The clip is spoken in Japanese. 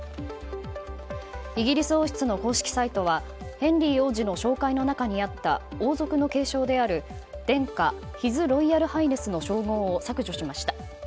イギリス王室の公式サイトはヘンリー王子の紹介の中にあった王族の敬称である殿下、ヒズロイヤルハイネスの称号を削除しました。